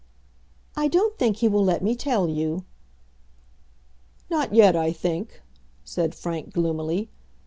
"I don't think he will let me tell you." "Not yet, I think," said Frank, gloomily.